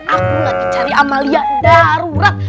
aku lagi cari amalia darurat